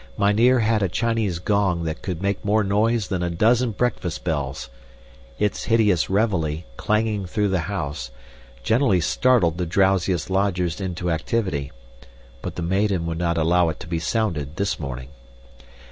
Mynheer had a Chinese gong that could make more noise than a dozen breakfast bells. Its hideous reveille, clanging through the house, generally startled the drowsiest lodgers into activity, but the maiden would not allow it to be sounded this morning.